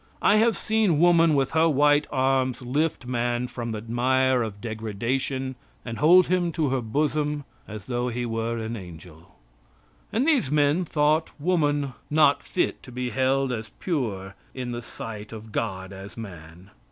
I have seen woman with her white arms lift man from the mire of degradation, and hold him to her bosom as though he were an angel. And these men thought woman not fit to be held as pure in the sight of God as man.